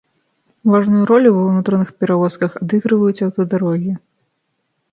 Важную ролю ва ўнутраных перавозках адыгрываюць аўтадарогі.